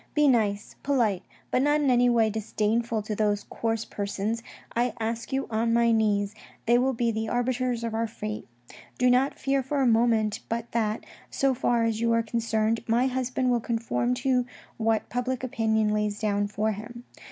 Be nice, polite, but not in any way disdainful to those coarse persons. I ask you on my lyiees; they will be the arbiters of our fate. Do not fear for a moment but that, so far as you are concerned, my husband will conform to what public opinion lays down for him.